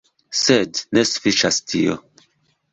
Sed ne sufiĉas tio.